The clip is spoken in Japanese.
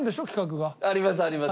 ありますあります。